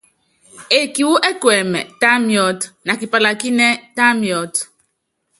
Eeki wu ɛkuɛmɛ, tá miɔ́t, na kipalakínɛ́, tá miɔ́t.